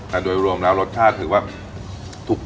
แต่โดยรวมแล้วรสชาติถือว่าถูก